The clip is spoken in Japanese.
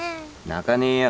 泣かねえよ。